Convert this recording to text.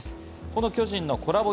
この巨人のコラボ